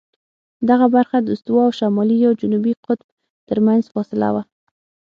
دغه برخه د استوا او شمالي یا جنوبي قطب ترمنځ فاصله وه.